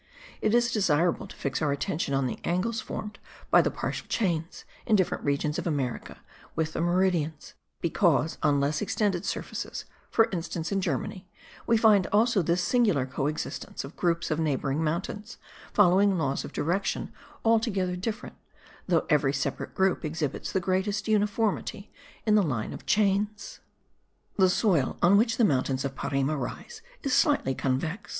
It is desirable to fix our attention on the angles formed by the partial chains, in different regions of America, with the meridians; because on less extended surfaces, for instance in Germany, we find also this singular co existence of groups of neighbouring mountains following laws of direction altogether different, though every separate group exhibits the greatest uniformity in the line of chains. The soil on which the mountains of Parime rise, is slightly convex.